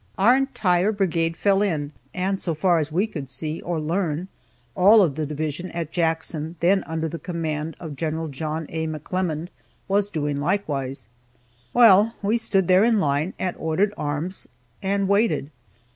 Our entire brigade fell in, and so far as we could see, or learn, all of the division at Jackson, then under the command of Gen. John A. McClernand, was doing likewise. Well, we stood there in line, at ordered arms, and waited.